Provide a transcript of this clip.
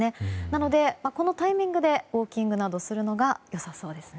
なので、このタイミングでウォーキングなどするのが良さそうですね。